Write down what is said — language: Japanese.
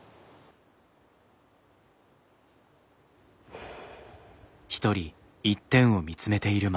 ふう。